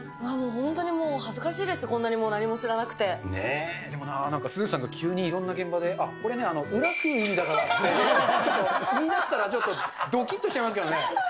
本当にもう、恥ずかしいです、でもなあ、すずさんが急にいろんな現場で、これ裏食う意味だからって、言いだしたら、ちょっとどきっとしちゃいますけどね。